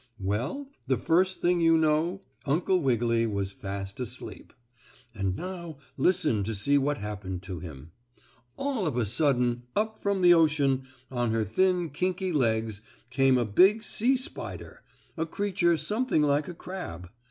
Well, the first thing you know Uncle Wiggily was fast asleep. And now listen and see what happened to him. All of a sudden, up from the ocean, on her thin, kinky legs came a big sea spider, a creature something like a crab.